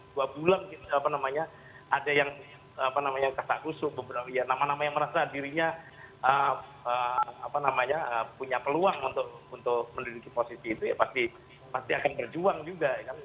dua bulan apa namanya ada yang apa namanya kasakusuh beberapa nama nama yang merasa dirinya apa namanya punya peluang untuk mendidiki posisi itu ya pasti akan berjuang juga